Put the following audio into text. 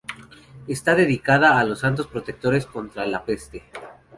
Está dedicada a los santos protectores contra la peste.